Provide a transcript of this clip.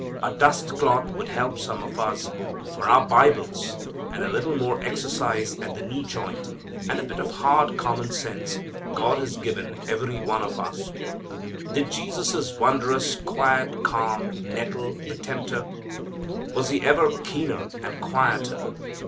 A dust cloth would help some of us for our Bibles and a little more exercise at the knee joint, and a bit of the hard common sense God has given every one of us. Did Jesus' wondrous, quiet calm nettle the tempter? Was He ever keener and quieter?